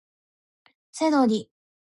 セロリ